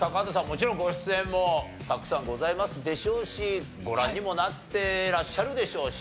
もちろんご出演もたくさんございますでしょうしご覧にもなってらっしゃるでしょうし。